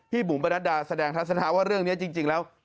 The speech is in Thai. บุ๋มประนัดดาแสดงทัศนะว่าเรื่องนี้จริงแล้ว